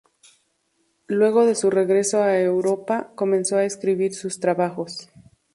Luego de su regreso a Europa, comenzó a escribir sus trabajos.